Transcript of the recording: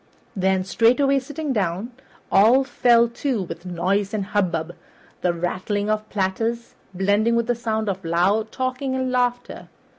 Then, straightway sitting down, all fell to with noise and hubbub, the rattling of platters blending with the sound of loud talking and laughter.